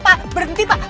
aduh aduh berhenti pak